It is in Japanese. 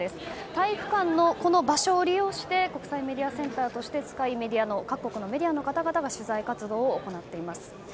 体育館の場所を利用して国際メディアセンターとして使い各国のメディアの方々が取材活動を行っています。